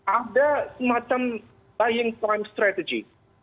ada semacam buying time strategy